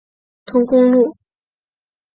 通公路。